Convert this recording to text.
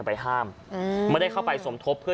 พี่บ้านไม่อยู่ว่าพี่คิดดูด